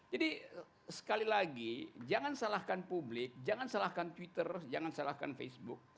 jadi sekali lagi jangan salahkan publik jangan salahkan twitter jangan salahkan facebook